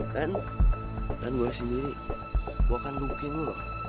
dan dan gue sendiri gue akan dukin lo